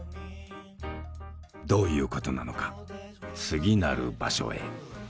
どういうことなのか次なる場所へ。